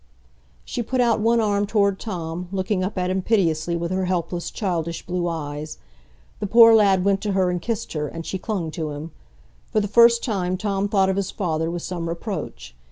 She put out one arm toward Tom, looking up at him piteously with her helpless, childish blue eyes. The poor lad went to her and kissed her, and she clung to him. For the first time Tom thought of his father with some reproach.